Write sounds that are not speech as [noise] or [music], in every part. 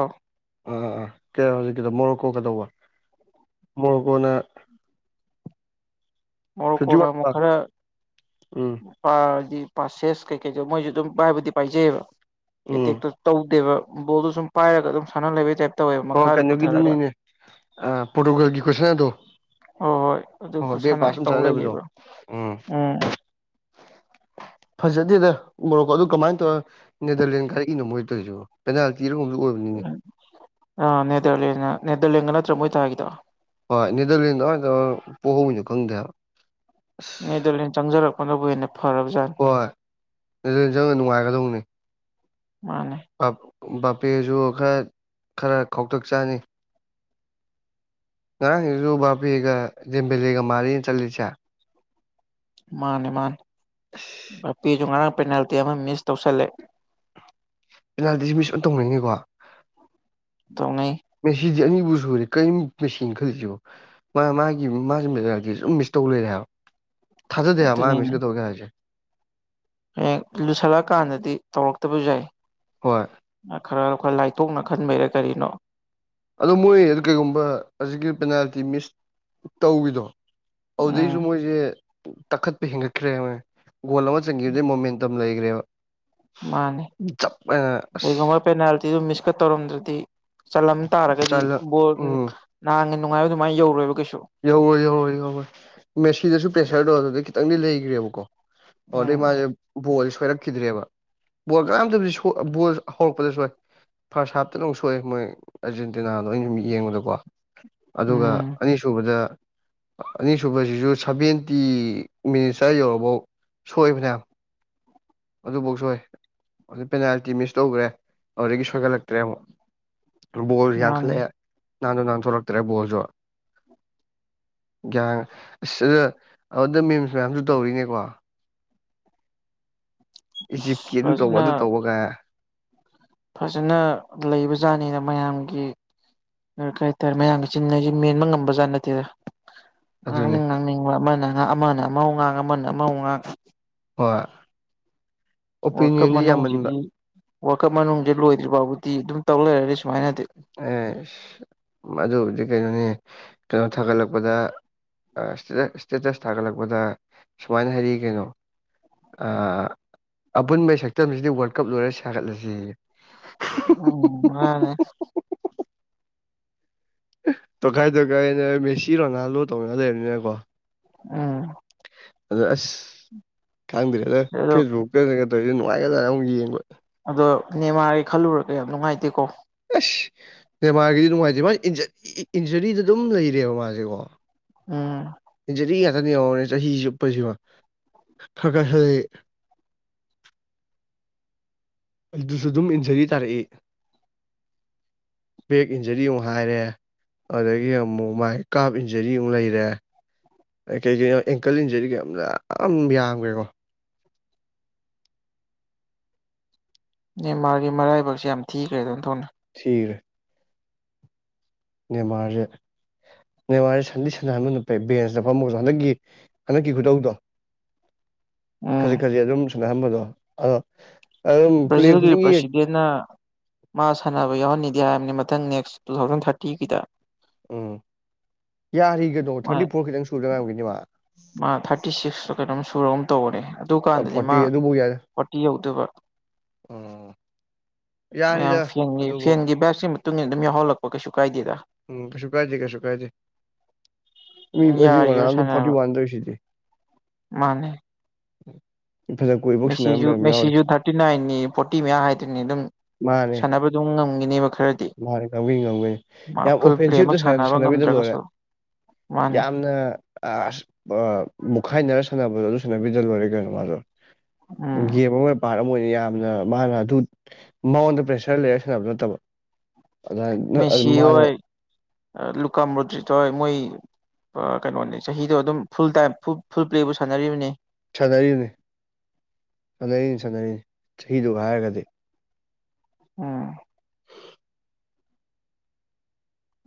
ꯑꯥ ꯑꯥ ꯑꯥ ꯀ ꯍꯧꯖꯤꯛꯀꯤꯗ ꯃꯣꯔꯣꯀꯣ ꯀꯩꯗꯧꯕ ꯃꯣꯔꯣꯀꯣꯅ ꯃꯔ ꯐꯤꯐꯇꯤ ꯀꯅ ꯋꯥꯟ ꯑꯃꯨ ꯈꯔ ꯎꯝ ꯗꯤ ꯄꯥꯁꯦꯁ ꯀꯩꯀꯩꯗ ꯃꯣꯏꯁꯨ ꯑꯗꯨꯝ ꯄꯥꯏꯕꯨꯗꯤ ꯄꯥꯏꯖꯩꯕ ꯎꯝ ꯑꯦꯇꯦꯛꯇꯣ ꯇꯧꯗꯦꯕ ꯕꯣꯠꯇꯣ ꯁꯨꯝ ꯄꯥꯏꯔꯒ ꯑꯗꯨꯝ ꯁꯥꯟꯅ ꯂꯩꯕ ꯇꯥꯏ ꯑꯣ ꯀꯩꯅꯣꯒꯤꯗꯨꯅꯤꯅꯦ ꯄꯣꯔꯇꯨꯒꯜꯒꯤ ꯀꯣꯏꯁꯟꯗꯣ ꯍꯣꯏ ꯍꯣꯏ ꯑꯗꯨ ꯍ ꯈꯨꯠꯁꯥꯟꯅꯗꯣ ꯄꯥꯁ ꯇꯧ ꯁꯔꯗ ꯂꯩꯌꯦꯕ ꯎꯝ ꯐꯖꯗꯦꯗ ꯎꯣꯔꯣꯛꯀꯣ ꯑꯗꯨꯣ ꯀꯃꯥꯏꯅ ꯇꯧꯔꯒ ꯅꯦꯗꯔꯂꯦꯟ ꯈꯥꯏꯔꯛꯏꯅꯣ ꯃꯣꯏ ꯇꯧꯔꯤꯁꯨ ꯄꯦꯅꯥꯜꯇꯤꯔꯒꯨꯝꯁꯨ ꯑꯣꯏꯕꯅꯤ ꯑ ꯅꯦꯗꯔꯂꯦꯟ ꯅꯦꯗꯔꯂꯦꯟꯒ ꯅ꯭ꯔ ꯃꯣꯏꯇ ꯍꯥꯏꯒꯗ ꯍꯣꯏ ꯅꯦꯗꯔꯂꯦꯟꯗꯗ ꯄꯣꯛꯍꯧꯋꯤꯅꯣ ꯈꯪꯗꯦꯕ ꯑ ꯗ ꯆꯪꯖꯔꯛꯄꯅꯕꯨ ꯍꯦꯟꯅ ꯐꯔꯕꯖꯥ ꯍꯣꯏ ꯑꯗꯨ ꯆꯪꯅ ꯅꯨꯡꯉꯥꯏꯒꯗꯧꯕꯅꯤ ꯃꯥꯅꯦ ꯕꯥꯄꯦꯁꯨ ꯈꯔ ꯈꯔ ꯈꯧꯇꯛ ꯆꯥꯅꯤ ꯉꯔꯥꯡꯁꯤꯡꯁꯨ ꯕꯥꯕꯦꯒ ꯖꯦꯝꯕꯂꯦꯒ ꯃꯥꯜꯂꯤꯅ ꯆꯠꯂꯤꯁꯦ ꯃꯥꯅꯤ ꯃꯥꯅꯤ ꯄꯤꯁꯨ ꯉꯔꯥꯡ ꯄꯦꯅꯥꯜꯇꯤ ꯑꯃ ꯃꯤꯁ ꯇꯧꯁꯜꯂꯦ ꯄꯦꯅꯥꯜꯇꯤꯁꯤ ꯃꯤꯁ ꯑꯣꯏꯅ ꯇꯧꯅꯉꯅꯤꯀꯣ ꯇꯣꯡꯉ ꯃꯦꯆꯗꯤ ꯑꯅꯤꯕꯨ ꯁꯨꯔꯦ ꯀꯔꯤ ꯃꯦꯆ ꯈꯜꯂꯤꯁꯤꯕꯣ ꯃꯥ ꯃꯥꯒꯤ ꯃꯥꯒꯤ ꯁꯨꯝ ꯃꯤꯁ ꯇꯧ ꯂꯩꯔꯦ ꯍꯥꯏꯕ ꯊꯥꯖꯗꯦ ꯍꯥꯏꯕ ꯃꯥ ꯑꯗꯨꯅꯤꯅꯦ ꯃꯤꯁꯀꯩ ꯇꯧꯒꯦ ꯍꯥꯏꯕꯁꯦ ꯍꯌꯦꯡ ꯂꯨꯁꯜꯂꯛꯑꯀꯥꯟꯗꯗꯤ ꯇꯧꯔꯛꯇꯕꯁꯨ ꯌꯥꯏ ꯍꯣꯏ ꯈꯔ ꯈꯔ ꯂꯥꯏꯊꯣꯛꯅ ꯈꯟꯕꯩꯔꯥ ꯀꯔꯤꯅꯣ ꯑꯗꯣ ꯃꯣꯏ ꯀꯩꯒꯨꯝꯕ ꯑꯁꯤꯒꯤ ꯄꯦꯅꯥꯜꯇꯤ ꯃꯤꯁ ꯇꯧꯈꯤꯗꯣ ꯎꯝ ꯑꯗꯨꯗꯩꯁꯨ ꯃꯣꯏꯁꯦ ꯇꯛꯈꯠꯄꯤ ꯍꯦꯟꯒꯠꯈ꯭ꯔꯦ ꯃꯣꯏ ꯒꯣꯜ ꯑꯃ ꯆꯟꯈꯤꯕꯗꯩ ꯃꯣꯃꯦꯟꯇꯝ ꯂꯩꯈ꯭ꯔꯦꯕ ꯃꯥꯅꯤ ꯆꯞ ꯍꯥꯏꯅ ꯑꯁ ꯀꯩꯒꯨꯝꯕ ꯄꯦꯅꯥꯜꯇꯤꯗꯨ ꯃꯤꯁꯀꯥ ꯇꯧꯔꯝꯗ꯭ꯔꯗꯤ ꯆꯠꯂꯝ ꯇꯥꯔꯒꯗꯤ ꯆꯜꯂ ꯕꯣꯜ ꯎꯝ [unintelligible] ꯅꯍꯥꯟꯒꯤ ꯅꯨꯡꯉꯥꯏꯕ ꯑꯗꯨꯃꯥꯏꯅ ꯌꯧꯔꯣꯏꯕ ꯀꯩꯁꯨ ꯌꯧꯔꯣꯏ ꯌꯧꯔꯣꯏ ꯌꯧꯔꯣꯏ ꯃꯦꯁꯤꯗꯁꯨ ꯄ꯭ꯔꯦꯁꯔꯗꯣ ꯑꯗꯨꯗꯩ ꯈꯤꯇꯪꯗꯤ ꯂꯩꯈ꯭ꯔꯦꯕꯀꯣ ꯑꯣꯗꯩ ꯎꯝ ꯃꯥꯁꯦ ꯕꯣꯜ ꯁꯣꯏꯔꯝ- ꯈꯤꯗ꯭ꯔꯦꯕ ꯕꯣꯜ ꯀꯥꯅꯥꯝꯗꯕꯤ ꯕꯣꯜ ꯍꯧꯔꯛꯄꯗ ꯁꯣꯏ ꯐꯥꯔꯁ ꯍꯥꯞꯇ ꯂꯪ ꯁꯣꯛꯑꯦ ꯃꯣꯏ ꯑꯔꯖꯦꯟꯇꯤꯅꯥꯗꯣ ꯑꯩꯅ ꯌꯦꯡꯕꯗꯀꯣ ꯑꯗꯨꯒ ꯎꯝ ꯑꯅꯤꯁꯨꯕꯗ ꯑꯅꯤꯁꯨꯕꯁꯤꯁꯨ ꯁꯚꯦꯟꯇꯤ ꯃꯤꯅꯤꯁꯇꯔ ꯌꯧꯔꯐꯧ ꯁꯣꯏꯕꯅꯦ ꯑꯗꯨꯐꯧ ꯁꯣꯏ ꯑꯗꯨ ꯄꯦꯅꯥꯜꯇꯤ ꯃꯤꯁ ꯇꯧꯈ꯭ꯔꯦ ꯑꯗꯨꯗꯒꯤ ꯁꯣꯏꯒꯠꯂꯛꯇ꯭ꯔꯦ ꯑꯃꯨꯛ ꯕꯣꯜꯁꯨ ꯃꯥꯅꯤ ꯌꯥꯡꯈꯠꯂꯛꯑꯦ ꯅꯍꯟꯗꯣ ꯅꯥꯟ ꯊꯣꯛꯂꯛꯇ꯭ꯔꯦ ꯕꯣꯜꯁꯨ ꯒ꯭ꯌꯥꯟ ꯑꯁ ꯑ ꯑꯗꯨꯗ ꯃꯤꯝꯁ ꯃꯌꯥꯝꯁꯨ ꯇꯧꯔꯤꯅꯦꯀꯣ ꯏꯖꯤꯞꯀꯤ ꯑꯗꯨ ꯇꯧꯕ ꯐꯖꯅ ꯑꯗꯨ ꯇꯧꯕꯒ ꯐꯖꯅ ꯂꯩꯕꯖꯥꯠꯅꯤꯗ ꯃꯌꯥꯝꯒꯤ ꯎꯝ ꯀꯩ ꯍꯥꯏꯇꯥꯔꯦ ꯃꯌꯥꯝꯒꯤ ꯆꯤꯟ ꯍꯥꯏꯁꯦ ꯃꯦꯟꯕ ꯉꯝꯕ ꯖꯥꯠ ꯅꯠꯇꯦꯗꯥ ꯑꯗꯨꯅꯤ ꯉꯥꯡꯅꯤꯡ ꯉꯥꯡꯅꯤꯡꯕ ꯑꯃꯅꯥ ꯉꯥꯡ ꯑꯃꯅ ꯑꯃ ꯑꯃꯨꯛ ꯉꯥꯡ ꯑꯃꯅ ꯑꯃ ꯑꯃꯨꯛ ꯉꯥꯡ ꯍꯣꯏ ꯋꯥꯔꯜ ꯀꯞ ꯑꯣꯄꯤꯅꯤꯌꯟꯗꯤ ꯃꯅꯨꯡꯁꯤꯗꯤ ꯌꯥꯝꯃꯟꯕ ꯋꯥꯔꯜ ꯀꯞ ꯃꯅꯨꯡꯗꯤ ꯂꯣꯏꯗ꯭ꯔꯤ ꯐꯥꯎꯕꯗꯤ ꯑꯗꯨꯝ ꯇꯧ ꯂꯩꯔꯅꯤ ꯁꯨꯃꯥꯏꯅꯗꯤ ꯑꯦꯁ ꯃꯗꯨꯕꯨꯗꯤ ꯀꯩꯅꯣꯅꯦ ꯀꯩꯅꯣ ꯊꯥꯒꯠꯂꯛꯄꯗꯥ ꯑꯥ ꯏꯁꯇꯦꯇꯠ ꯏꯁꯇꯦꯇꯁ ꯊꯥꯒꯠꯂꯛꯄꯗ ꯁꯨꯃꯥꯏꯅ ꯍꯥꯏꯔꯛꯏ ꯀꯩꯅꯣ ꯑꯥ ꯑꯄꯨꯟꯕꯒꯤ ꯁꯛꯇꯝꯁꯤꯗꯤ ꯋꯥꯔꯜ ꯀꯞ ꯂꯣꯏꯔ ꯁꯥꯒꯠꯂꯁꯦꯌꯦ ꯎꯝ ꯃꯥꯅꯦ ꯇꯣꯈꯥꯏ ꯇꯣꯈꯥꯏꯅ ꯃꯦꯁꯤ ꯔꯣꯅꯥꯜꯂꯣ ꯇꯧꯅ ꯂꯩꯔꯕꯅꯤꯅꯀꯣ ꯎꯝ ꯑꯗꯨꯗ ꯑꯁ ꯈꯪꯗ꯭ꯔꯦꯗ ꯑꯗꯣ ꯐꯦꯁꯕꯨꯛ ꯇꯒꯥ ꯇꯧꯔꯤꯁꯦ ꯅꯨꯡꯉꯥꯏꯈ꯭ꯔꯥꯖꯥꯠꯅꯦ ꯑꯃꯨꯛ ꯌꯦꯡꯕ ꯑꯗꯣ ꯅꯦꯃꯥꯔꯒꯤ ꯈꯜꯂꯨꯔꯒ ꯌꯥꯝ ꯅꯨꯡꯉꯥꯏꯇꯦꯀꯣ ꯑꯁ ꯅꯦꯃꯥꯔꯒꯤꯗꯤ ꯅꯨꯡꯉꯥꯏꯇꯦ ꯃꯥꯏ ꯏꯟꯖꯥꯔꯤ ꯏꯟꯖꯥꯔꯤꯗ ꯑꯗꯨꯝ ꯂꯩꯔꯦꯕ ꯃꯥꯁꯦꯀꯣ ꯎꯝ ꯏꯟꯖꯥꯔꯤ ꯉꯥꯛꯇꯅꯦ ꯌꯦꯡꯉꯣꯅꯦ ꯆꯍꯤ ꯆꯨꯞꯄꯁꯤꯃꯥ [unintelligible] ꯑꯗꯨꯁꯨ ꯑꯗꯨꯝ ꯏꯟꯖꯥꯔꯤ ꯇꯥꯔꯛꯏ ꯕꯦꯛ ꯏꯟꯖꯥꯔꯤ ꯑꯃꯨꯛ ꯍꯥꯏꯔꯦ ꯑꯗꯨꯗꯒꯤ ꯑꯃꯨꯛ ꯃꯥꯏ ꯀꯥꯞ ꯏꯟꯖꯥꯔꯤ ꯑꯃꯨꯛ ꯂꯩꯔꯦ ꯀꯩꯀꯩꯅꯣ ꯑꯦꯡꯀꯜ ꯏꯟꯖꯥꯔꯤꯒ ꯌꯥꯝ ꯌꯥꯝ ꯌꯥꯝꯈ꯭ꯔꯦꯀꯣ ꯅꯦꯃꯥꯔꯒꯤ ꯃꯔꯥꯏꯕꯛꯁꯦ ꯌꯥꯝ ꯊꯤꯈ꯭ꯔꯦꯗꯥ ꯑꯣꯟꯊꯣꯛꯅ ꯊꯤꯈ꯭ꯔꯦ ꯅꯦꯃꯥꯔꯁꯦ ꯅꯦꯃꯥꯔꯁꯦ ꯁꯟꯗꯤ ꯁꯟꯅꯥꯍꯟꯕꯅ ꯐꯩ ꯕꯦꯟꯁꯇꯥ ꯐꯝꯃꯒꯁꯨ ꯍꯟꯗꯛꯀꯤ ꯍꯟꯗꯛꯀꯤ ꯈꯨꯇꯧꯗꯣ ꯎꯝ ꯈꯖꯤꯛ ꯈꯖꯤꯛ ꯑꯗꯨꯝ ꯁꯥꯟꯅꯍꯟꯕꯗꯣ ꯑꯗꯣ ꯑꯗꯨꯝ ꯄ꯭ꯂꯦ ꯕ꯭ꯔꯥꯖꯤꯜꯒꯤ ꯈꯨꯗꯤꯡꯒꯤ ꯄ꯭ꯔꯁꯤꯗꯦꯟ ꯅ ꯃꯥ ꯁꯥꯟꯅꯕ ꯌꯥꯎꯍꯟꯅꯤꯗꯤ ꯍꯥꯏꯕꯅꯤ ꯃꯊꯪ ꯅꯦꯛꯁ ꯇꯨ ꯊꯥꯎꯖꯟ ꯊꯥꯔꯇꯤꯒꯤꯗꯥ ꯎꯝ ꯌꯥꯔꯤ ꯀꯩꯅꯣ ꯊꯥꯔꯇꯤ ꯃꯥ ꯐꯣꯔ ꯈꯤꯇꯪ ꯁꯨꯗꯥ ꯉꯥꯏꯔꯝꯒꯤꯅꯤ ꯃꯥ ꯃꯥ ꯊꯥꯔꯇꯤ ꯁꯤꯛꯁ ꯀꯩꯅꯣꯝ ꯁꯨꯔꯒꯨꯝ ꯇꯧꯕꯅꯦ ꯑꯗꯨꯀꯥꯟꯗꯗꯤ ꯃꯥ ꯐꯣꯔꯇꯤ ꯑꯗꯨꯕꯨ ꯌꯥꯔꯦ ꯐꯣꯔꯇꯤ ꯌꯧꯗꯨꯕ ꯎꯝ ꯃꯌꯥꯝ ꯌꯥꯔꯤꯗ ꯐꯦꯟꯒꯤ ꯑꯗꯨꯕꯨ ꯐꯦꯟꯒꯤ ꯕꯥꯏꯞꯁꯤꯒꯤ ꯃꯇꯨꯡ ꯏꯟꯅ ꯑꯗꯨꯝ ꯌꯥꯎꯍꯜꯂꯛꯄ ꯀꯩꯁꯨ ꯀꯥꯏꯗꯦꯗꯥ ꯎꯝ ꯀꯩꯁꯨ ꯀꯥꯏꯗꯦ ꯀꯩꯁꯨ ꯀꯥꯏꯗꯦ ꯃꯤ ꯑꯗꯨꯝ [unintelligible] ꯌꯥꯔꯤꯕ ꯔꯣꯅꯥꯜꯗꯣ ꯐꯣꯔꯇꯤ ꯁꯥꯟꯅꯕ ꯋꯥꯟꯗꯥ ꯇꯧꯏꯁꯤꯗꯤ ꯃꯥꯅꯦ [unintelligible] ꯃꯦꯁꯤꯁꯨ ꯃꯦꯁꯤꯁꯨꯨ ꯊꯥꯔꯇꯤ ꯅꯥꯏꯟꯅꯤ ꯐꯣꯔꯇꯤ ꯃꯌꯥ ꯍꯥꯏꯗꯨꯅꯤ ꯑꯗꯨꯝ ꯁꯥꯟꯅꯕ ꯑꯗꯨꯝ ꯉꯝꯈꯤꯅꯤꯕ ꯈꯔ ꯃꯥ ꯉꯝꯒꯤꯅꯤ ꯉꯝꯒꯤꯅꯤ ꯌꯥꯝ ꯑꯣꯐꯦꯟꯁꯤꯞꯇ ꯄ꯭ꯂꯦꯃꯛ ꯁꯥꯟꯅ ꯁꯥꯟꯅꯕ ꯁꯥꯟꯅꯕꯤꯗꯥ ꯂꯣꯏꯔꯦ ꯉꯝꯗ꯭ꯔꯒꯁꯨ ꯃꯥꯅꯦ ꯌꯥꯝꯅ ꯑꯁ ꯕꯥ ꯃꯨꯛꯈꯥꯏꯅꯔ ꯁꯥꯟꯅꯕꯗꯣ ꯑꯗꯨ ꯁꯥꯟꯅꯕꯤꯗ꯭ꯔꯥ ꯂꯣꯏꯔꯦ ꯀꯩꯅꯣ ꯃꯥꯗꯣ ꯎꯝ ꯒꯦꯝ ꯑꯃ ꯄꯥꯔꯠ ꯑꯃ ꯑꯣꯏꯅ ꯌꯥꯝꯅ ꯃꯥꯅ ꯑꯗꯨ ꯃꯉꯣꯟꯗ ꯄ꯭ꯔꯦꯁ꯭ꯔ ꯂꯩꯔ ꯁꯥꯟꯅꯕꯗꯨ ꯅꯠꯇꯕ ꯃꯦꯁꯤ ꯑꯗꯨꯃꯥꯏ ꯃꯥꯅ ꯍꯣꯏ ꯑ ꯂꯨꯀꯥꯝꯃꯨꯗ꯭ꯔꯤꯠ ꯍꯣꯏ ꯃꯣꯏ ꯑ ꯀꯩꯅꯣꯅꯦ ꯆꯍꯤꯗꯣ ꯑꯗꯨꯝ ꯐꯨꯜ ꯇꯥꯏꯝ ꯐꯨꯜ ꯄ꯭ꯂꯦꯕꯨ ꯁꯥꯟꯅꯔꯤꯕꯅꯦ ꯁꯥꯟꯅꯔꯤꯕꯅꯤ ꯁꯥꯟꯅꯔꯤ ꯁꯥꯟꯅꯔꯤꯅꯤ ꯆꯍꯤꯗꯨꯒ ꯍꯥꯏꯔꯒꯗꯤ ꯎꯝ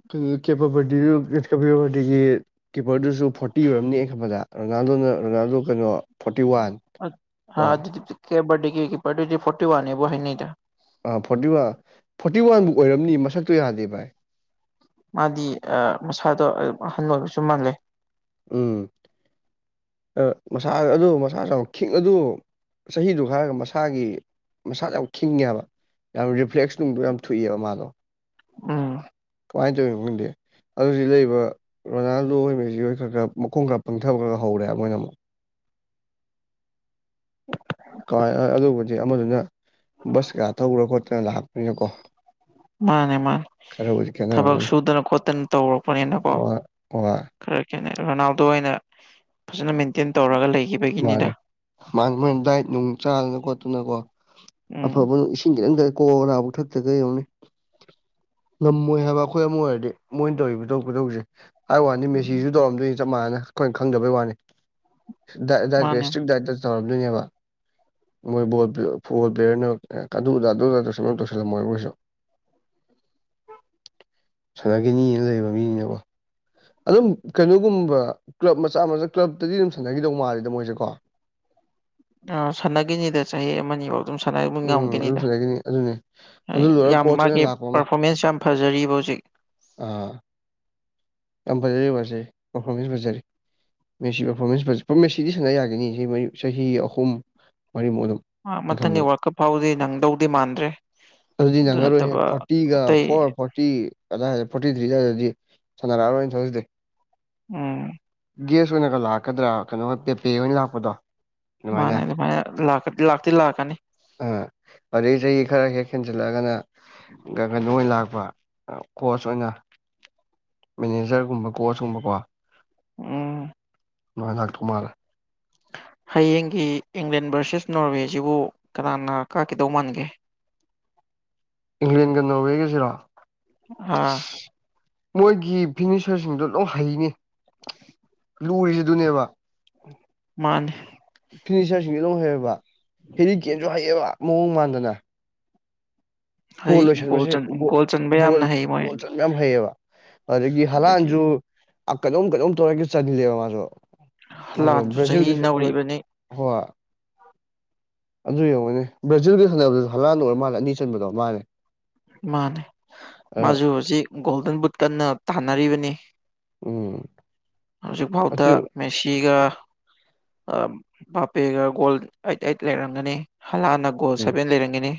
ꯀꯤ ꯀꯦꯞꯄꯕꯗꯨꯂꯨꯞ [unintelligible] ꯑꯗꯤꯒꯤ ꯀꯤꯞꯄꯔꯗꯨꯁꯨ ꯐꯣꯔꯇꯤ ꯑꯣꯏꯔꯝꯅꯤ ꯑꯩ ꯈꯟꯕꯗ ꯔꯣꯅꯥꯜꯗꯣꯅ ꯔꯣꯅꯥꯜꯗꯣ ꯀꯩꯅꯣ ꯐꯣꯔꯇꯤ ꯋꯥꯟ ꯑꯠ ꯀꯣ ꯑꯥ ꯑꯗꯨꯗꯤ [unintelligible] ꯀꯤꯞꯄꯔꯗꯨꯗꯤ ꯐꯣꯔꯇꯤ ꯋꯥꯟꯅꯦꯕꯨ ꯍꯥꯏꯅꯩꯗꯥ ꯑꯥ ꯐꯣꯔꯇꯤ ꯋꯥꯟ ꯐꯣꯔꯇꯤ ꯋꯥꯟꯕꯨ ꯑꯣꯏꯔꯝꯅꯤ ꯃꯁꯛꯇꯣ ꯌꯥꯗꯦ ꯚꯥꯏ ꯃꯥꯗꯤ ꯑꯥ ꯃꯁꯥꯗꯣ ꯑꯗꯨꯝ ꯑꯍꯟ ꯑꯣꯏꯕꯁꯨ ꯃꯥꯜꯂꯦ ꯎꯝ ꯑꯥ ꯃꯁꯥ ꯑꯗꯨ ꯃꯁꯥꯁꯨ ꯌꯥꯝ ꯈꯤꯡ ꯑꯗꯨ ꯆꯍꯤꯗꯨꯒ ꯍꯥꯏꯔꯒ ꯃꯁꯥꯒꯤ ꯃꯁꯥꯁꯨ ꯌꯥꯝ ꯈꯤꯡꯉꯦꯕ ꯌꯥꯝ ꯔꯤꯐ꯭ꯂꯦꯛꯁ ꯅꯨꯡꯗꯣ ꯌꯥꯝ ꯊꯨꯏꯌꯦꯕ ꯃꯥꯗꯣ ꯎꯝ ꯀꯃꯥꯏ ꯇꯧꯏꯅꫭ ꯈꯪꯗꯦ ꯑꯗꯨꯖꯤ ꯂꯩꯕ ꯔꯣꯅꯥꯜꯗꯣ ꯑꯣꯏ ꯃꯦꯁꯤ ꯍꯣꯏ ꯈꯔ ꯈꯔ ꯃꯈꯣꯡ ꯀ ꯄꯪꯊꯕ ꯈꯔ ꯈꯔ ꯍꯧꯔꯦ ꯍꯥꯏꯕ ꯃꯣꯏꯅ ꯑꯃꯨꯛ ꯀꯥꯏ ꯑ ꯑꯗꯨꯕꯨꯗꯤ ꯑꯃꯗꯨꯅ ꯕꯁꯀꯥ ꯊꯧꯔ ꯈꯣꯠꯇꯅ ꯂꯥꯛ ꯏꯅꯨꯀꯣ ꯃꯥꯟꯅꯦ ꯃꯥꯟꯅꯦ ꯊꯕꯛ ꯈꯦꯠꯅꯔꯝꯒꯅꯤ ꯁꯨꯗꯅ ꯈꯣꯠꯇꯅ ꯇꯧꯔꯛꯄꯅꯤꯅꯀꯣ ꯑꯣ ꯍꯣꯏ ꯈꯔ ꯀꯩꯅꯣ ꯔꯣꯅꯥꯜꯗꯣ ꯑꯣꯏꯅ ꯐꯖꯅ ꯃꯦꯟꯇꯦꯟ ꯇꯧꯔꯒ ꯂꯩꯒꯤꯕꯒꯤꯅꯤꯗ ꯃꯥꯡꯅꯦ ꯗꯥꯏꯠ ꯅꯨꯡ ꯆꯥꯗꯅ ꯈꯣꯠꯇꯅꯀꯣ ꯎꯝ ꯑꯐꯕ ꯏꯁꯤꯡ ꯈꯤꯇꯪ ꯀꯣꯅꯥꯕꯨ ꯊꯛꯇꯒꯩ ꯌꯦꯡꯉꯨꯅꯦ ꯉꯝꯃꯣꯏ ꯍꯥꯏꯕ ꯑꯩꯈꯣꯏ ꯑꯃ ꯑꯣꯏꯔꯗꯤ ꯃꯣꯏꯅ ꯇꯧꯔꯤꯕ ꯈꯨꯗꯧ ꯈꯨꯗꯧꯁꯦ ꯍꯥꯏꯕ ꯋꯥꯅꯤ ꯃꯦꯁꯤꯁꯨ ꯇꯧꯔꯝꯗꯣꯏꯅꯤ ꯆꯞ ꯃꯥꯟꯅꯅ ꯑꯩꯈꯣꯏꯅ ꯈꯪꯗꯕꯩ ꯋꯥꯅꯤ ꯗꯥꯏꯠ ꯗꯥꯏꯠꯀ ꯃꯥꯅꯦ ꯏꯁꯇ꯭ꯔꯤꯛ ꯗꯥꯏꯠꯇ ꯇꯧꯔꯝꯗꯣꯏꯅꯦꯕ ꯃꯣꯏ ꯕꯣꯜ ꯐꯨꯠꯕꯣꯜ ꯄꯦꯌ꯭ꯔ ꯀꯗꯨ ꯀꯗ ꯗꯣꯗ ꯇꯧꯁꯤꯟꯒꯨꯝ ꯇꯧꯁꯤꯜꯂꯝꯃꯣꯏꯕ ꯀꯩꯁꯨ ꯁꯥꯟꯅꯒꯤꯅꯤꯅ ꯂꯩꯕ ꯃꯤꯅꯤꯅꯀꯣ ꯑꯗꯨꯝ ꯀꯩꯅꯣꯒꯨꯝꯕ ꯀ꯭ꯂꯞ ꯃꯆꯥ ꯃꯆꯥ ꯀ꯭ꯂꯞꯇꯗꯤ ꯑꯗꯨꯝ ꯁꯥꯟꯅꯒꯤꯗꯧ ꯃꯥꯜꯂꯤꯗ ꯃꯣꯏꯁꯦ ꯀꯣ ꯑ ꯁꯥꯟꯅꯒꯤꯅꯤꯗ ꯆꯍꯤ ꯑꯃꯅꯤ ꯕꯧ ꯑꯗꯨꯝ ꯁꯥꯟꯅꯔꯤꯕꯧ ꯎꯝ ꯑꯗꯨꯝ ꯉꯝꯒꯤꯅꯤꯗ ꯁꯥꯟꯅꯈꯤꯅꯤ ꯑꯗꯨꯅꯤ ꯑꯗꯨ ꯂꯣꯏꯔꯒ ꯌꯥꯝ ꯀꯣꯆ ꯃꯥꯒꯤ ꯑꯣꯏꯅ ꯂꯥꯛꯄ ꯑꯃ ꯄ꯭ꯔꯐꯣꯃꯦꯟꯁ ꯌꯥꯝ ꯐꯖꯔꯤꯕ ꯍꯧꯖꯤꯛ ꯑꯥ ꯌꯥꯝ ꯐꯖꯩꯕ ꯍꯧꯖꯤꯛ ꯄ꯭ꯔꯐꯣꯃꯦꯟꯁ ꯐꯖꯔꯤ ꯃꯦꯁꯤ ꯄ꯭ꯔꯐꯣꯔꯃꯦꯟꯁ ꯐꯖꯩ ꯃꯦꯁꯤꯗꯤ ꯁꯥꯟꯅ ꯌꯥꯒꯤꯅꯤ ꯆꯍꯤ ꯃꯔꯤ ꯆꯍꯤ ꯑꯍꯨꯝ ꯃꯔꯤꯃꯨꯛ ꯑꯗꯨꯝ ꯃꯥ ꯑꯩꯅ ꯈꯟꯕꯗ ꯃꯊꯪꯒꯤ ꯋꯥꯜ ꯀꯞ ꯐꯥꯎꯗꯤ ꯅꯪꯗꯧꯗꯤ ꯃꯥꯟꯗ꯭ꯔꯦ ꯑꯗꯨꯗꯤ ꯑꯗꯨ ꯅꯪꯉꯔꯣꯏꯍꯦ ꯅꯠꯇꯕ ꯐꯣꯔꯇꯤꯒ ꯑꯇꯩ ꯐꯣꯔ ꯐꯣꯔꯇꯤ ꯀꯗꯥꯏ ꯐꯣꯔꯇꯤꯊ꯭ꯔꯤ ꯑꯗꯥꯏꯗꯗꯤ ꯁꯥꯟꯅꯔꯛꯑꯔꯣꯏ ꯑꯣꯏꯅ ꯊꯧꯖꯗꯦ ꯎꯝ ꯒꯦꯁ ꯑꯣꯏꯅꯒ ꯂꯥꯛꯀꯗ꯭ꯔꯥ ꯀꯩꯅꯣꯒ ꯄꯦꯄꯦ ꯍꯣꯏꯅ ꯂꯥꯛꯄꯗꯣ ꯃꯥꯟꯅꯦ ꯑꯗꯨꯃꯥꯏꯅ ꯂꯥꯛꯇꯤ ꯂꯥꯛꯀꯅꯤ ꯑꯣ ꯑꯗꯩ ꯆꯍꯤ ꯈꯔ ꯍꯦꯛ ꯍꯦꯟꯖꯜꯂꯛꯑꯒꯅ ꯒꯀꯩꯅꯣ ꯑꯣꯏꯅ ꯂꯥꯛꯄ ꯀꯣꯆ ꯑꯣꯏꯅ ꯃꯦꯅꯦꯖ꯭ꯔꯒꯨꯝꯕ ꯀꯣꯆꯀꯨꯝꯕꯀꯣ ꯎꯝ ꯑꯗꯨꯃꯥꯏ ꯂꯥꯛꯇꯧ ꯃꯥꯜꯂꯦ ꯍꯌꯦꯡꯒꯤ ꯏꯪꯂꯦꯟ ꯚ꯭ꯔꯁꯦꯁ ꯅꯣꯔꯋꯦꯁꯤꯕꯨ ꯀꯅꯥꯅ ꯀꯥꯒꯤꯗꯧ ꯃꯥꯟꯒꯦ ꯏꯪꯂꯦꯟꯒ ꯅꯧꯔꯋꯦꯒꯖꯤꯔꯣ ꯑꯥ ꯃꯣꯏꯒꯤ ꯐꯤꯔꯅꯤꯁ꯭ꯔꯁꯤꯡꯗꯣ ꯂꯣꯛ ꯍꯩꯅꯦ [inaudible] ꯂꯨꯔꯤꯖꯦ ꯑꯗꯨꯅꯦꯕ ꯃꯥꯟꯅꯤ ꯐꯤꯅꯤꯆ꯭ꯔꯁꯤꯡꯖꯦ ꯑꯗꯨꯝ ꯍꯩꯑꯕ ꯍꯦꯔꯤꯀꯦꯟꯖꯨ ꯍꯩꯌꯦꯕ ꯃꯑꯣꯡ ꯃꯥꯟꯗꯅ ꯍꯩ ꯒꯣꯜ ꯂꯣꯏꯁꯟꯕꯁꯦ ꯒꯣꯜ ꯆꯟꯕ ꯒꯣꯜ ꯌꯥꯝꯅ ꯍꯩ ꯃꯣꯏ ꯒꯣꯜ ꯆꯟꯕ ꯌꯥꯝ ꯍꯩꯌꯦꯕ ꯑꯗꯥꯒꯤ ꯑꯗꯒꯤ ꯍꯂꯥꯟꯁꯨ ꯀꯩꯅꯣꯝ ꯀꯩꯅꯣꯝ ꯇꯧꯔꯒꯥ ꯆꯂꯦꯕ ꯃꯥꯁꯨ ꯃꯖꯨ ꯍꯂꯥꯟꯁꯨ ꯕꯔꯥꯖꯤꯜꯒꯤ ꯆꯍꯤ ꯁꯄꯣ꯭ꯔꯠ ꯅꯧꯔꯤꯕꯅꯤ ꯍꯣꯏ ꯑꯗꯨ ꯌꯦꯡꯉꯣꯅꯦ ꯕ꯭ꯔꯥꯖꯤꯜꯒꯤ ꯁꯥꯟꯅꯕꯗꯨꯗꯁꯨ ꯍꯂꯥꯟꯅ ꯑꯣꯏꯔꯥ ꯃꯥꯜꯂꯦ ꯑꯅꯤ ꯆꯟꯕꯗꯣ ꯃꯥꯟꯅꯦ ꯃꯥꯟꯅꯦ ꯃꯥꯖꯨ ꯍꯧꯖꯤꯛ ꯒꯣꯜꯗꯟ ꯕꯨꯠ ꯀꯟꯅ ꯇꯥꯟꯅꯔꯤꯕꯅꯤ ꯎꯝ ꯍꯧꯖꯤꯛ ꯐꯥꯎꯗ ꯑꯗꯨ ꯃꯦꯁꯤꯒ ꯑ ꯕꯥꯞꯄꯦꯒ ꯒꯣꯜ ꯑꯩꯠ ꯑꯩꯠ ꯂꯩꯔꯝꯒꯅꯤ ꯍꯂꯥꯟꯅ ꯑꯣ ꯎꯝ ꯁꯕꯦꯟ ꯂꯩꯔꯝꯒꯦꯅꯤ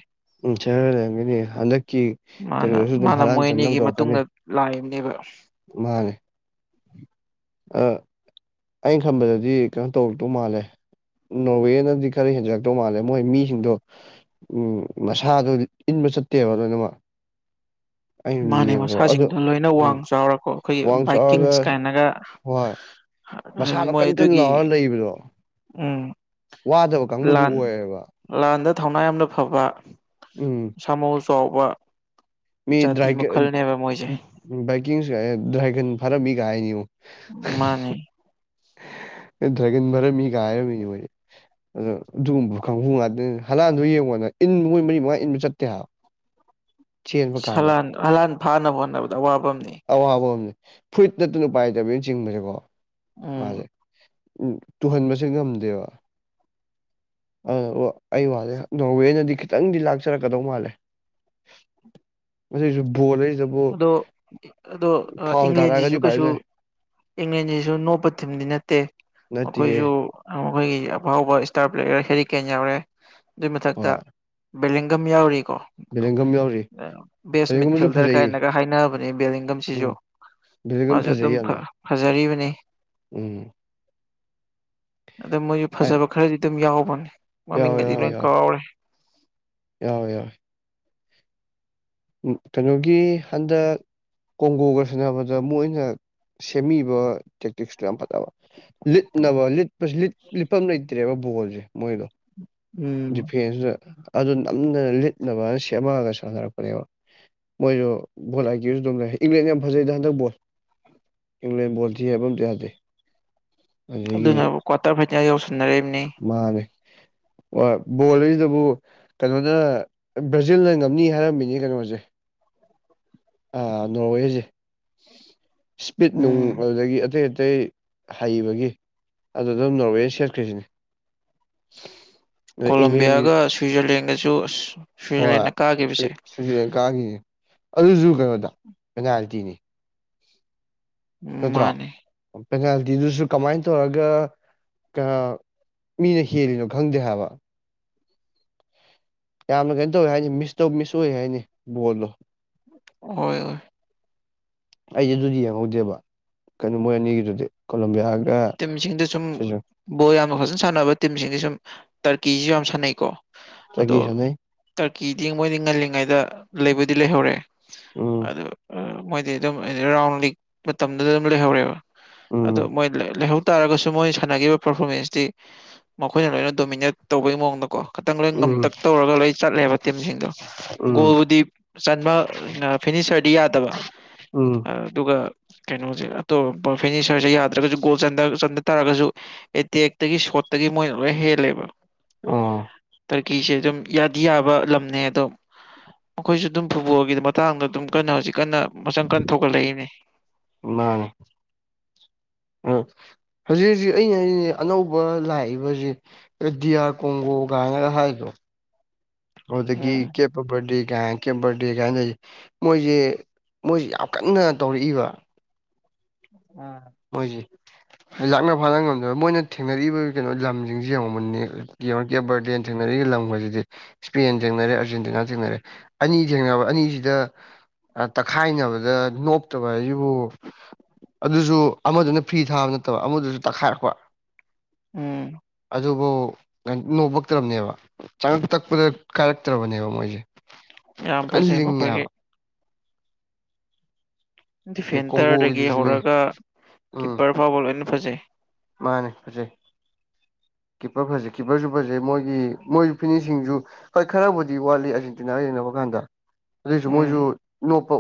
ꯎꯝ ꯁꯔ ꯂꯩꯔꯝꯒꯅꯤ ꯍꯟꯗꯛꯀꯤ ꯃꯥꯅ ꯀꯩꯅꯣꯗꯁꯨ ꯑꯗꯨꯝ ꯃꯥꯅ ꯍꯥꯔꯥꯟ ꯃꯣꯏ ꯑꯅꯤꯒꯤ ꯆꯟꯅꯕ ꯃꯇꯨꯡꯗ ꯇꯧꯔꯛꯀꯥꯅꯤ ꯂꯥꯛꯏꯕꯅꯦꯕ ꯃꯥꯅꯦ ꯑꯥ ꯑꯩꯅ ꯈꯝꯕꯗꯥꯗꯤ ꯀꯩꯅꯣ ꯇꯧꯔꯛꯇꯧ ꯃꯥꯜꯂꯦ ꯅꯣꯔꯋꯦꯅꯗꯤ ꯈꯔ ꯍꯦꯟꯖꯂꯛꯇꯧ ꯃꯥꯜꯂꯦ ꯃꯣꯏ ꯃꯤꯁꯤꯡꯗꯣ ꯎꯝ ꯃꯁꯥꯗꯨꯗꯤ ꯏꯟꯕ ꯆꯠꯇꯦꯕ ꯂꯣꯏꯅꯃꯛ ꯑꯩ ꯃꯥꯅꯦ ꯌꯦꯡꯕꯗꯥꯕ ꯑꯗꯣ ꯃꯁꯥꯁꯤꯡꯗꯣ ꯂꯣꯏꯅ ꯎꯝ ꯋꯥꯡ ꯆꯥꯎꯔꯀꯣ ꯑꯩꯈꯣꯏꯒꯤ ꯋꯥꯡ ꯆꯥꯎꯔꯒꯥ ꯕꯥꯏꯛꯀꯤꯡꯁ ꯀꯥꯏꯅꯒ ꯍꯣꯏ ꯍꯥꯏꯗꯤ ꯃꯁꯥꯗꯣ ꯃꯣꯏ ꯀꯟ ꯀꯟ ꯂꯥꯎꯔꯒꯥ ꯑꯗꯨꯒꯤ ꯂꯩꯕꯗꯣ ꯎꯝ ꯋꯥꯗꯕ ꯀꯥꯡꯕꯨꯗꯨ ꯂꯥꯟ ꯑꯣꯏꯌꯦꯕ ꯂꯥꯟꯗꯥ ꯊꯧꯅꯥ ꯌꯥꯝꯅ ꯐꯕ ꯎꯝ ꯁꯥꯃꯧ ꯆꯥꯎꯕ ꯖꯥꯇꯤ ꯃꯈꯜꯅꯦꯕ ꯃꯣꯏꯁꯦ ꯕꯥꯏꯛꯀꯤꯡꯁꯨ ꯗ꯭ꯔꯥꯏꯒꯟ ꯐꯥꯔꯝꯃꯤꯒꯥ ꯍꯥꯏꯅꯤꯉꯣ ꯃꯥꯅꯦ ꯗ꯭ꯔꯥꯏꯒꯟ ꯕꯔꯝꯃꯤꯒꯥ ꯍꯥꯏꯔꯝꯃꯤꯅꯤ ꯃꯣꯏꯗꯤ ꯑꯗꯣ ꯑꯗꯨꯒꯨꯝꯕ ꯈꯪꯍꯨ ꯉꯥꯛꯇꯅꯤ ꯍꯂꯥꯟꯗꯣ ꯌꯦꯡꯉꯣꯗꯅ ꯏꯟꯕ ꯃꯣꯏ ꯃꯔꯤ ꯃꯉꯥ ꯏꯟꯕ ꯆꯠꯇꯦ ꯍꯥꯏꯕ ꯆꯦꯟꯕ ꯀꯥꯟꯗ ꯁꯥꯂꯥꯟ ꯍꯂꯥꯟ ꯐꯥꯅꯕ ꯍꯣꯠꯅꯕꯗꯥ ꯑꯋꯥꯕ ꯑꯃꯥꯅꯤ ꯑꯋꯥꯕꯝꯅꯦ ꯐꯨꯔꯤꯠ ꯅꯠꯇꯅ ꯎꯄꯥꯏ ꯂꯩꯇꯕꯤꯅꯤ ꯆꯤꯡꯕꯁꯦꯀꯣ ꯃꯥꯁꯦ ꯎꯝ ꯎꯝ ꯇꯨꯍꯟꯕꯁꯦ ꯉꯝꯗꯦꯕ ꯑꯩ ꯋꯥꯂꯦ ꯅꯣꯔꯋꯦꯅꯗꯤ ꯈꯤꯇꯪꯗꯤ ꯂꯥꯛꯆꯔꯛꯀꯗꯧ ꯃꯥꯜꯂꯦ ꯃꯁꯤꯁꯨ ꯕꯣꯜꯂꯩ ꯑꯗꯣ ꯑꯗꯣ ꯇꯥꯔꯛꯑꯒꯗꯤ ꯏꯪꯂꯦꯟꯖꯤꯁꯨ ꯎꯄꯥꯏ ꯀꯩꯁꯨ ꯂꯩꯇꯦ ꯏꯪꯂꯦꯟꯁꯤꯁꯨ ꯅꯣꯞꯄ ꯊꯝꯗꯤ ꯅꯠꯇꯦ ꯅꯠꯇꯦꯍꯦ ꯑꯩꯈꯣꯏꯖꯨ ꯃꯈꯣꯏꯒꯤ ꯑꯐꯥꯎꯕ ꯏꯁꯇꯥꯔ ꯄ꯭ꯂꯦꯌꯔ ꯍꯦꯔꯤꯀꯦꯟ ꯌꯥꯎꯔꯦ ꯑꯗꯨꯏ ꯃꯊꯛꯇꯥ ꯍꯣꯏ ꯕꯦꯂꯤꯡꯒꯝ ꯌꯥꯎꯔꯤꯀꯣ ꯕꯦꯂꯦꯡꯒꯝ ꯌꯥꯎꯔꯤ ꯕꯦꯁ ꯃꯤꯠ ꯕꯦꯂꯦꯡꯒꯝꯁꯨ ꯐꯤꯜꯗꯔ ꯐꯖꯩꯌꯦ ꯀꯥꯏꯅꯒꯥ ꯍꯥꯏꯅꯕꯅꯤ ꯎꯝ ꯕꯦꯂꯤꯡꯒꯝꯁꯤꯁꯨ ꯕꯦꯂꯦꯡꯒꯝ ꯃꯥꯁꯨ ꯐꯖꯩ ꯑꯗꯨꯝ ꯐꯥ ꯌꯥꯝꯅ ꯐꯖꯔꯤꯕꯅꯤ ꯎꯝ ꯑꯗꯣ ꯃꯣꯏꯖꯨ ꯑꯦ ꯐꯖꯕ ꯈꯔꯗꯤ ꯑꯗꯨꯝ ꯌꯥꯎꯕꯅꯦ ꯌꯥꯎꯋꯦ ꯃꯃꯤꯡꯒꯗꯤ ꯂꯣꯏ ꯀꯥꯎꯔꯦ ꯌꯥꯎꯏ ꯌꯥꯎꯏ ꯀꯩꯅꯣꯒꯤ ꯍꯟꯗꯛ ꯀꯣꯡꯒꯣꯒꯥ ꯁꯥꯟꯅꯕꯗꯥ ꯃꯣꯏꯅ ꯁꯦꯝꯃꯤꯕ ꯇꯦꯛꯇꯤꯛꯁꯇꯣ ꯌꯥꯝ ꯐꯥꯠ ꯂꯤꯠꯅꯕ ꯂꯤꯠꯄꯁꯤ ꯂꯤꯠ ꯂꯤꯠꯐꯝ ꯂꯩꯇ꯭ꯔꯦꯕ ꯕꯣꯜꯖꯦ ꯃꯣꯏꯗꯣ ꯎꯝ ꯗꯤꯐꯦꯟꯁꯅ ꯑꯗꯨ ꯅꯝꯗꯥꯅ ꯂꯤꯠꯅꯕꯅ ꯁꯦꯝꯃꯛꯑꯒꯥ ꯁꯥꯟꯅꯔꯛ [unintelligible] ꯃꯣꯏꯖꯨ ꯕꯣꯜ ꯍꯥꯏꯈꯤꯕꯁꯨ ꯑꯗꯨꯝ ꯂꯩ ꯏꯪꯂꯦꯟ ꯌꯥꯝ ꯐꯖꯩꯗꯥ ꯍꯟꯗꯛ ꯕꯣꯜ ꯏꯪꯂꯦꯟ ꯕꯣꯜ ꯊꯤ ꯍꯥꯏꯕ ꯑꯝꯇꯥ ꯌꯥꯗꯦ ꯑꯗꯒꯤ ꯑꯗꯨꯅ ꯀ꯭ꯋꯥꯇꯔ ꯐꯥꯏꯇꯤꯌꯥ ꯌꯧꯁꯟꯅꯔꯝꯅꯤ ꯃꯥꯅꯦ ꯍꯣꯏ ꯕꯣꯜꯖꯤꯗꯥꯕꯨ ꯀꯩꯅꯣꯗꯥ ꯕ꯭ꯔꯥꯖꯤꯜꯅ ꯉꯝꯅꯤ ꯍꯥꯏꯔꯝꯃꯤꯅꯤ ꯀꯩꯅꯣꯖꯦ ꯑꯥ ꯅꯣꯔꯋꯦꯖꯦ ꯏꯁꯄꯤꯠ ꯅꯨꯡ ꯎꯝ ꯑꯗꯨꯗꯥꯒꯤ ꯑꯇꯩ ꯑꯇꯩ ꯍꯩꯕꯒꯤ ꯑꯗꯨꯗꯥ ꯑꯗꯨꯝ ꯅꯣꯔꯋꯦ ꯁꯦꯠꯈ꯭ꯔꯤꯁꯤꯅꯦ ꯑꯦꯡꯂꯦꯟꯒꯤ ꯀꯣꯂꯦꯝꯕꯤꯌꯥꯒꯥ ꯁ꯭ꯋꯤꯖꯔꯂꯦꯟꯒꯁꯨ ꯑꯁ ꯍꯣꯏ ꯁ꯭ꯋꯤꯖꯔꯂꯦꯟꯅ ꯁ꯭ꯋꯤ ꯀꯥꯈꯤꯕꯁꯦ ꯁ꯭ꯋꯤꯖꯤꯔꯦꯟꯀꯥꯒꯤꯅꯤ ꯑꯗꯨꯁꯨ ꯀꯩꯅꯣꯗꯥ ꯄꯦꯅꯥꯜꯇꯤꯅꯤ ꯅꯠꯇ꯭ꯔꯣ ꯃꯥꯅꯦ ꯄꯦꯅꯥꯜꯇꯤꯗꯨꯁꯨ ꯀꯃꯥꯏꯅ ꯇꯧꯔꯒ ꯀ ꯃꯤꯅ ꯍꯦꯜꯂꯤꯅꯣ ꯈꯪꯗꯦ ꯍꯥꯏꯕ ꯌꯥꯝꯅ ꯀꯩꯅꯣ ꯇꯧꯋꯦ ꯍꯥꯏꯁꯦ ꯃꯤꯁ ꯇꯧ ꯃꯤꯁ ꯑꯣꯏ ꯍꯥꯏꯅꯦ ꯕꯣꯜꯗꯣ ꯍꯣꯏ ꯍꯣꯏ ꯑꯩꯁꯨ ꯑꯗꯨꯗꯤ ꯌꯦꯡꯍꯧꯗꯦꯕ ꯀꯩꯅꯣ ꯃꯣꯏ ꯑꯅꯤꯒꯤꯗꯨꯗꯤ ꯀꯣꯂꯝꯕꯤꯌꯥꯒ ꯇꯤꯝꯁꯤꯡꯗ ꯁꯨꯝ ꯁꯤꯁꯨ ꯕꯣꯜ ꯌꯥꯝꯅ ꯐꯖꯅ ꯁꯥꯟꯅꯕ ꯇꯤꯝꯁꯤꯡꯁꯦ ꯁꯨꯝ ꯇꯔꯀꯤꯁꯤꯁꯨ ꯌꯥꯝ ꯁꯥꯟꯅꯩꯀꯣ ꯆꯒꯤ ꯑꯗꯣ ꯁꯥꯟꯅꯩ ꯇ꯭ꯔꯀꯤꯗꯤ ꯃꯣꯏꯗꯤ ꯉꯜꯂꯤꯉꯩꯗꯥ ꯂꯩꯕꯨꯗꯤ ꯂꯩꯍꯧꯔꯦ ꯎꯝ ꯑꯗꯣ ꯃꯣꯏꯗꯤ ꯑꯗꯨꯝ ꯔꯥꯎꯟ ꯂꯤꯛ ꯃꯇꯝꯗꯨꯗꯥ ꯑꯗꯨꯝ ꯂꯩꯍꯧꯔꯦꯕ ꯑꯗꯣ ꯎꯝ ꯃꯣꯏ ꯂꯩꯍꯧ ꯇꯥꯔꯒꯥꯁꯨ ꯃꯣꯏꯅ ꯁꯥꯟꯅꯈꯤꯕ ꯄꯔꯐꯣꯔꯃꯦꯟꯁꯇꯤ ꯃꯈꯣꯏꯅ ꯂꯣꯏꯅ ꯗꯣꯃꯤꯅꯦꯠ ꯇꯧꯕꯩ ꯃꯑꯣꯡꯗꯀꯣ ꯈꯥꯇꯪ ꯂꯣꯏ ꯎꯝ ꯉꯝꯇꯛ ꯇꯧꯔꯒꯥ ꯂꯣꯏ ꯆꯠꯂꯦꯕ ꯇꯤꯝꯁꯤꯡꯗꯣ ꯎꯝ ꯒꯣꯜꯕꯨꯗꯤ ꯆꯟꯕ ꯐꯤꯅꯤꯆꯔꯗꯤ ꯌꯥꯗꯕ ꯎꯝ ꯑꯗꯨꯒ ꯀꯩꯅꯣꯁꯦ ꯑꯇꯣꯞꯄ ꯐꯔꯅꯤꯆꯔꯁꯦ ꯌꯥꯗ꯭ꯔꯒꯁꯨ ꯒꯣꯜ ꯆꯟꯗ ꯆꯟꯗꯇꯥꯔꯒꯁꯨ ꯑꯦꯇꯦꯛꯇꯒꯤ ꯁꯣꯔꯠꯇꯒꯤ ꯃꯣꯏꯅ ꯂꯣꯏ ꯍꯦꯜꯂꯦꯕ ꯑꯣ ꯇꯔꯀꯤꯁꯦ ꯑꯗꯨꯝ ꯌꯥꯗꯤ ꯌꯥꯕ ꯂꯝꯅꯦ ꯑꯗꯣ ꯃꯈꯣꯏꯁꯨ ꯑꯗꯨꯝ ꯐꯨꯠꯕꯣꯜꯒꯤ ꯃꯇꯥꯡꯗ ꯑꯗꯨꯝ ꯀꯟꯅ ꯍꯧꯖꯤꯛ ꯀꯟꯅ ꯃꯆꯪ ꯀꯟꯅ ꯊꯣꯛꯒꯠꯂꯛꯏꯅꯤ ꯃꯥꯅꯦ ꯑ ꯍꯧꯖꯤꯛ ꯍꯧꯖꯤꯛ ꯑꯩꯅ ꯍꯥꯏ ꯑꯅꯧꯕ ꯂꯥꯛꯏꯕꯁꯤꯡ ꯗꯤꯌꯥ ꯀꯣꯡꯒꯣ ꯀꯥꯏꯅꯒ ꯍꯥꯏꯗꯣ ꯑꯗꯨꯗꯒꯤ ꯎꯝ ꯕꯔꯗꯦ ꯀꯥꯏꯅ ꯀꯦꯝꯕꯔꯗꯦ ꯀꯥꯏꯅ ꯂꯩꯁꯦ ꯃꯣꯏꯁꯦ ꯃꯣꯏꯁꯦ ꯌꯥꯝ ꯀꯟꯅ ꯇꯧꯔꯛꯏꯕ ꯑꯝ ꯃꯣꯏꯁꯤ ꯂꯥꯛꯅ ꯐꯥꯅ ꯉꯝꯗꯕ ꯃꯣꯏꯅ ꯊꯦꯡꯅꯔꯤꯕ ꯀꯩꯅꯣ ꯂꯝꯁꯤꯡꯁꯦ ꯌꯦꯡꯉꯣ ꯃꯨꯟꯅ ꯌꯦꯡꯉꯣ ꯌꯥꯕꯔꯗꯦꯟ ꯊꯦꯡꯅꯔꯛꯂꯤ ꯂꯝꯒꯁꯤꯗꯤ ꯏꯁꯄꯦꯟ ꯊꯦꯡꯅꯔꯦ ꯑꯥꯔꯖꯦꯟꯇꯤꯅꯥ ꯊꯦꯡꯅꯔꯦ ꯑꯅꯤ ꯊꯦꯡꯅꯕ ꯑꯅꯤꯁꯤꯗ ꯇꯛꯈꯥꯏꯅꯕꯗ ꯅꯣꯛꯇꯕ ꯍꯥꯏꯁꯤꯕꯨ ꯑꯗꯨꯁꯨ ꯑꯃꯗꯨꯅ ꯐꯤꯔ ꯊꯥꯕ ꯅꯠꯇꯕ ꯑꯃꯗꯨꯁꯨ ꯇꯛꯈꯥꯏꯔꯛꯄ ꯎꯝ ꯑꯗꯨꯕꯨ ꯀ ꯅꯣꯄꯛꯇ꯭ꯔꯕꯅꯦꯕ ꯆꯉꯛ ꯇꯛꯄꯗ ꯀꯥꯏꯔꯛꯇ꯭ꯔꯕꯅꯦꯕ ꯃꯣꯏꯁꯦ ꯌꯥꯝ ꯐꯖꯅ ꯐꯖꯩ ꯃꯈꯣꯏꯒꯤ ꯂꯤꯡꯉꯦꯕ ꯗꯤꯐꯦꯟꯇꯔꯗꯒꯤ ꯀꯣꯡꯒꯣꯒꯤꯗꯨꯁꯨꯅꯦ ꯍꯧꯔꯒ ꯎꯝ ꯀꯤꯞꯄꯔ ꯐꯥꯎꯕ ꯂꯣꯏꯅ ꯐꯖꯩ ꯃꯥꯅꯦ ꯐꯖꯩ ꯀꯤꯞꯄꯔ ꯐꯖꯩ ꯀꯤꯞꯄꯔꯁꯨ ꯐꯖꯩ ꯃꯣꯏꯒꯤ ꯃꯣꯏ ꯐꯤꯅꯤꯁꯤꯡꯁꯨ ꯍꯣꯏ ꯈꯔꯕꯨꯗꯤ ꯋꯥꯠꯂꯤ ꯑꯔꯖꯦꯟꯇꯤꯅꯥ ꯌꯦꯡꯅꯕ ꯀꯥꯟꯗ ꯑꯗꯨꯏꯁꯨ ꯎꯝ ꯃꯣꯏꯁꯨ ꯅꯣꯛꯄ